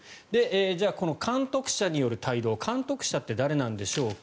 じゃあ、この監督者による帯同監督者って誰なんでしょうか。